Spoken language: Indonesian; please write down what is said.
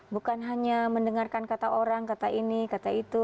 bukan hanya mendengarkan kata orang kata ini kata itu